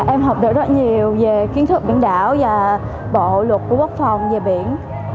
em học được rất nhiều về kiến thức biển đảo và bộ luật của quốc phòng về biển